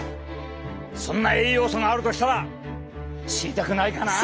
そんな栄養素があるとしたら知りたくないかな？